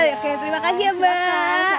oke terima kasih ya mbak